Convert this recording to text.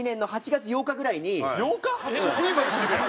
８月８日ぐらいに。